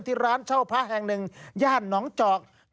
ที่ร้านเช่าพระแห่งหนึ่งย่านหนองจอก